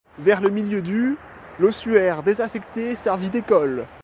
Vers le milieu du l'ossuaire désaffecté servit d'école.